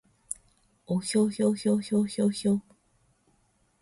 おひょひょひょひょひょひょ